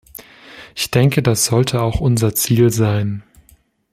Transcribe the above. Ich denke, das sollte auch unser Ziel sein.